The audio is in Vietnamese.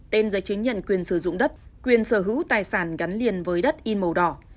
tên giấy chứng nhận quyền sử dụng đất quyền sở hữu tài sản gắn liền với đất in màu đỏ